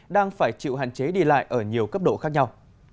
đang phải chịu hạn chế đi lại ở nhiều cấp độ khác nhau